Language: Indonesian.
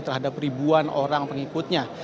terhadap ribuan orang pengikutnya